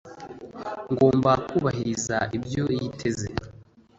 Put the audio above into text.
Ngomba kubahiriza ibyo yiteze.